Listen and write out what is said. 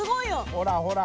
ほらほら！